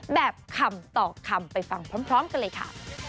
แบบคำต่อคำไปฟังพร้อมกันเลยค่ะ